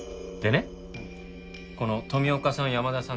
ねこの富岡さん山田さん